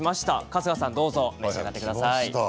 春日さん、召し上がってください。